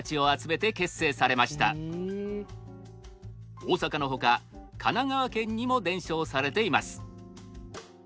大阪のほか神奈川県にも伝承されています。